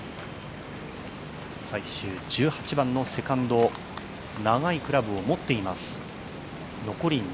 最終１８番のセカンド長いクラブを持っています。